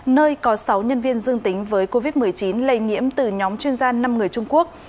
nơi có sáu nhân viên dương tính với covid một mươi chín lây nhiễm từ nhóm chuyên gia năm người trung quốc